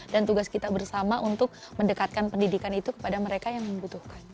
dan tugas kita bersama untuk mendekatkan pendidikan itu kepada mereka yang membutuhkan